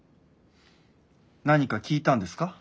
何か聞いたんですか？